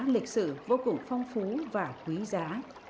lịch sử vô cùng phong phú và quý giá